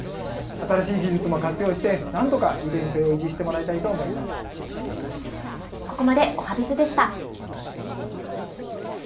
新しい技術も活用して、なんとか利便性を維持してもらいたいと思ここまで、おはＢｉｚでした。